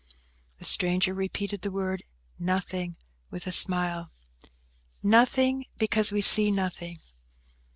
The stranger repeated the word "nothing" with a smile. "Nothing, because we see nothing!"